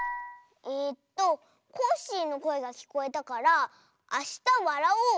えっとコッシーのこえがきこえたから「あしたわらおう」？